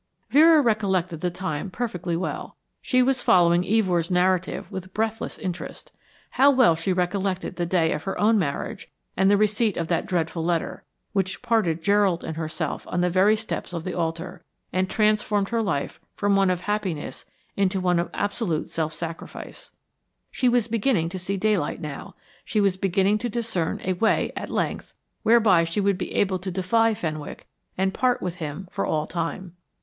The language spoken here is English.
Vera recollected the time perfectly well; she was following Evors' narrative with breathless interest. How well she recollected the day of her own marriage and the receipt of that dreadful letter, which parted Gerald and herself on the very steps of the altar, and transformed her life from one of happiness into one of absolute self sacrifice. She was beginning to see daylight now, she was beginning to discern a way at length, whereby she would be able to defy Fenwick and part with him for all time.